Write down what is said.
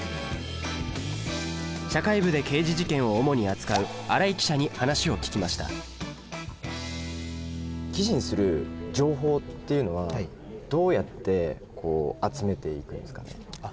社会部で刑事事件を主に扱う荒井記者に話を聞きました記事にする情報っていうのはどうやって集めていくんですか？